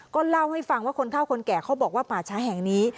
ก็เล่าให้ฟังว่าคนเท่าคนแก่เขาบอกว่าป่าช้าแห่งนี้